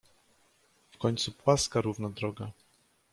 "W końcu płaska równa droga."